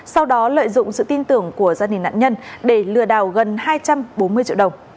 sau đó lợi dụng sự tin tưởng của gia đình nạn nhân để lừa đảo gần hai trăm bốn mươi triệu đồng